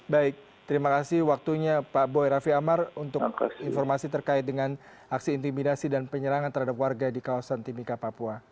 baik terima kasih waktunya pak boy raffi amar untuk informasi terkait dengan aksi intimidasi dan penyerangan terhadap warga di kawasan timika papua